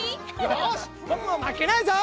よしぼくもまけないぞ！